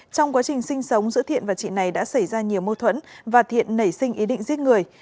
trong quá trình sinh sống giữa thiện và chị này đã xảy ra nhiều mâu thuẫn và thiện nảy sinh ý định giết người